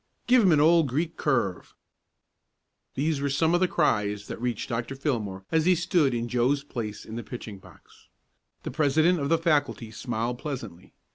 "Give him an old Greek curve!" These were some of the cries that reached Dr. Fillmore as he stood in Joe's place in the pitching box. The president of the faculty smiled pleasantly.